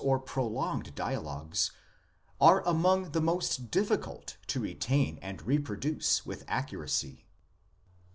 or prolonged dialogues, are among the most difficult to retain and reproduce with accuracy.